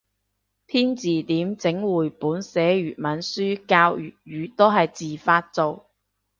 編字典整繪本寫粵文書教粵語都係自發做